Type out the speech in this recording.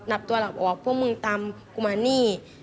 นับทัวระบบพวกมึงตัดกว่านี่